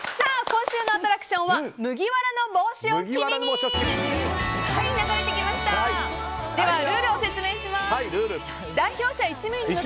今週のアトラクションは麦わらの帽子を君に！